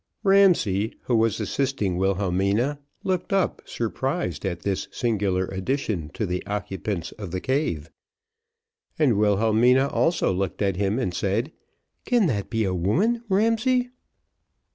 Ramsay, who was assisting Wilhelmina, looked up surprised at this singular addition to the occupants of the cave. And Wilhelmina also looked at him, and said, "Can that be a woman, Ramsay?"